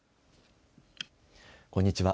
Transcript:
こんにちは。